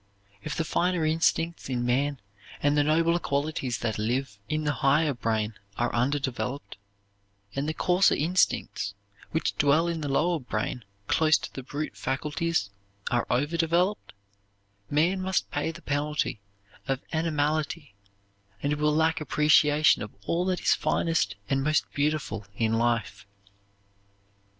If the finer instincts in man and the nobler qualities that live in the higher brain are under developed, and the coarser instincts which dwell in the lower brain close to the brute faculties are over developed, man must pay the penalty of animality and will lack appreciation of all that is finest and most beautiful in life.